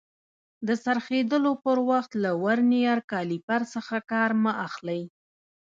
د څرخېدلو پر وخت له ورنیر کالیپر څخه کار مه اخلئ.